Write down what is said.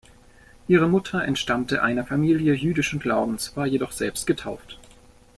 Ihre Mutter entstammte einer Familie jüdischen Glaubens, war jedoch selbst getauft.